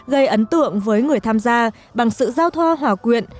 gây ấn tượng với người tham gia bằng sự giao thoa hòa quyện